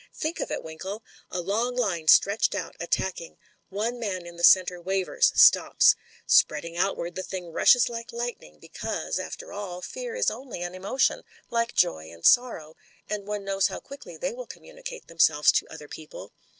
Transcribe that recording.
Think of it, Winkle. A long line stretched out, attacking. One man in the centre wavers, stops. Spreading out wards, the thing rushes like lightning, because, after all, fear is only an emoticm, like joy and sorrow, and one knows how quickly they will communicate them selves to other people.